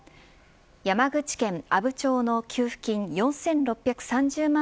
山口県阿武町の給付金４６３０万